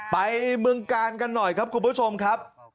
เมืองกาลกันหน่อยครับคุณผู้ชมครับ